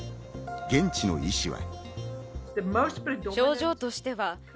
現地の医師は。